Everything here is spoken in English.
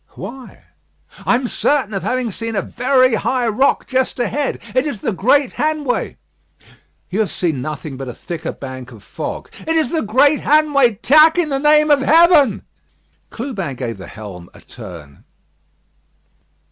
"Why?" "I am certain of having seen a very high rock just ahead. It is the Great Hanway." "You have seen nothing but a thicker bank of fog." "It is the Great Hanway. Tack, in the name of Heaven!" Clubin gave the helm a turn.